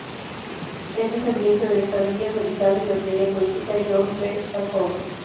Es descendiente del estadista americano y la teoría política John C. Calhoun.